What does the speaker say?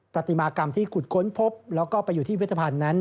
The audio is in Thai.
ปฏิมากรรมที่ขุดค้นพบแล้วก็ไปอยู่ที่เวทภัณฑ์นั้น